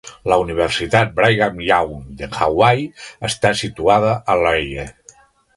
La universitat Brigham Young de Hawaii està situada a Laie.